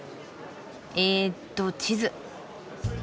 えっと地図。